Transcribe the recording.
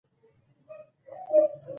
قهوه څنګه جوړیږي؟